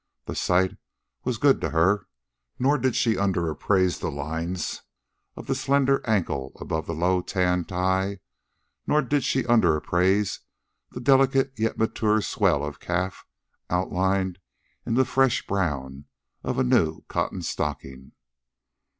The sight was good to her, nor did she under appraise the lines of the slender ankle above the low tan tie nor did she under appraise the delicate yet mature swell of calf outlined in the fresh brown of a new cotton stocking.